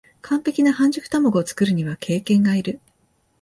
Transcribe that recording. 完璧な半熟たまごを作るには経験がいる